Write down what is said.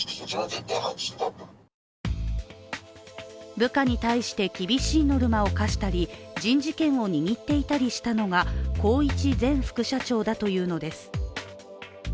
部下に対して厳しいノルマを課したり人事権を握っていたりしたのが宏一前副社長だというのです。